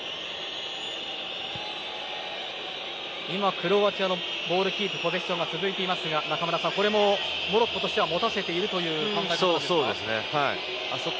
クロアチアのボールキープポゼッションが続いていますが中村さんこれもモロッコとしては持たせているという考え方ですか？